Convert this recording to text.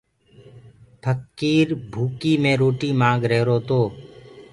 ڦڪير ڀوڪي مي روٽيٚ مآنگ رهيرو تو۔